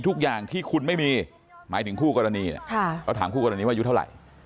ทุกอย่างที่คุณไม่มีหมายถึงคู่กรณีเขาถามคู่กรณีว่าอายุเท่าไหร่